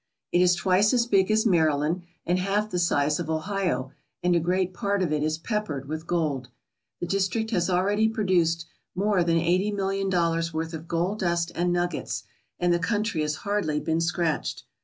It is twice as big as Maryland and half the size of Ohio, and a great part of it is peppered with gold. The district has already produced more than eighty million dollars' worth of gold dust and nuggets and the country has hardly been scratch ed.